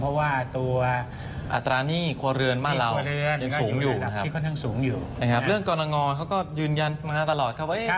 เพราะว่าตัวอัตรานี่ครัวเรือนบ้านเรายังสูงอยู่นะครับเรื่องกรรมงอเขาก็ยืนยันมาตลอดครับว่า